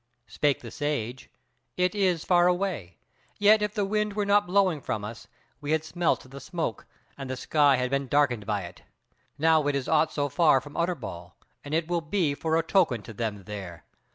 Spake the Sage: "It is far away: yet if the wind were not blowing from us, we had smelt the smoke, and the sky had been darkened by it. Now it is naught so far from Utterbol, and it will be for a token to them there.